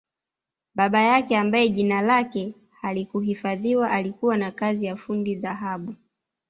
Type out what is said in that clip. Baba yake ambaye jina lake halikuhifadhiwa alikuwa na kazi ya fundi dhahabu